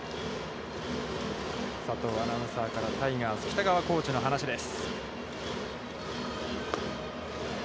佐藤アナウンサーからタイガース北川コーチの話です。